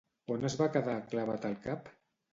On es va quedar clavat el cap?